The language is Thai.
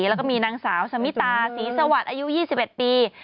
แล้วก็มีนางสาวสมิตาศรีสวัสดิ์อายุ๒๑ปี